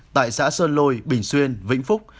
tại xã sơn lôi bình xuyên vĩnh phúc